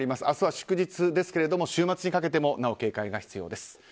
明日は祝日ですけれども週末にかけてもなお警戒が必要です。